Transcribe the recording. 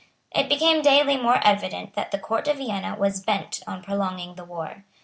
It became daily more evident that the Court of Vienna was bent on prolonging the war.